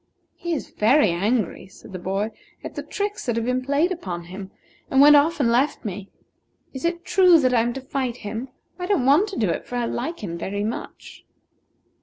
"He is very angry," said the boy, "at the tricks that have been played upon him, and went off and left me. Is it true that I am to fight him? I don't want to do it, for I like him very much."